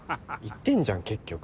言ってんじゃん結局。